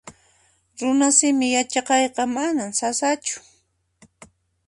Runasimi yachaqayqa manan sasachu